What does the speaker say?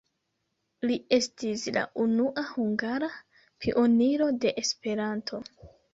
Li estis la unua hungara pioniro de Esperanto.